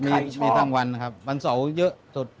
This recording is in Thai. ไข่ชอบมีทั้งวันครับวันเสาร์เยอะจุด